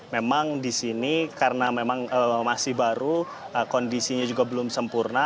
memang di sini karena memang masih baru kondisinya juga belum sempurna